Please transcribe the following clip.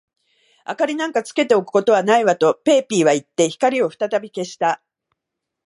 「明りなんかつけておくことはないわ」と、ペーピーはいって、光をふたたび消した。